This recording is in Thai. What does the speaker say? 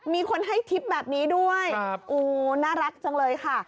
มีคนให้ทริปแบบนี้ด้วยโอ้น่ารักจังเลยค่ะ